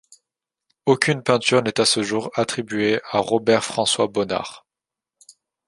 Aucune peinture n'est à ce jour attribuée à Robert-François Bonnart.